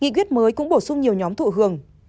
nghị quyết mới cũng bổ sung nhiều nhóm thụ hưởng